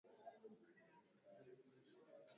angazo kutangazwa hapa ya mwisho mwisho kabisa na mgombea